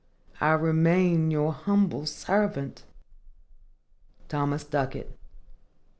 I remain your humble servant, THOMAS DUCKET.